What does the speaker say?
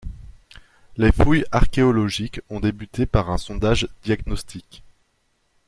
Les fouilles archéologiques ont débuté par un sondage diagnostic.